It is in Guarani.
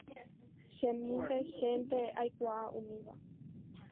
chemínte, chénte aikuaa umíva